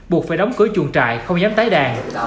buộc phải đóng cửa chuồng trại không dám tái đàn